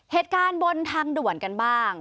เหตุการณ์บนทางด่วนกันบ้าง